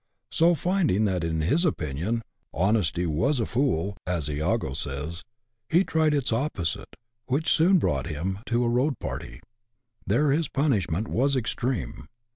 So, finding that, in his opinion, " honesty was a fool,*' as lago says, he tried its opposite, which soon brought him to a " road party." There his punishment was extreme.